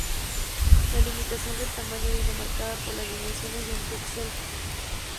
La limitación del tamaño viene marcada por las dimensiones de un pixel.